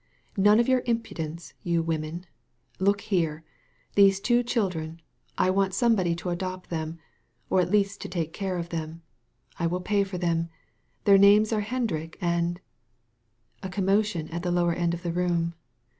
None of your impudence, you women. Look here ! These two children — ^I want somebody to adopt them, or at least to take care of them. I will pay for them. Their names are Hendrik and " A conmiotion at the lower end of the room.